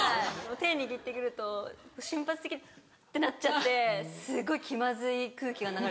手握って来ると瞬発的にってなっちゃってすごい気まずい空気が流れたことが。